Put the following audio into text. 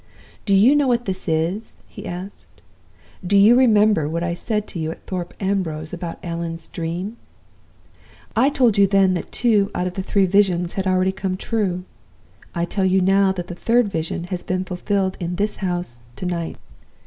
"'Do you know what this is?' he asked. 'Do you remember what I said to you at Thorpe Ambrose about Allan's Dream? I told you then that two out of the three Visions had already come true. I tell you now that the third Vision has been fulfilled in this house to night.